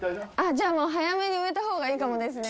じゃあもう早めに植えたほうがいいかもですね。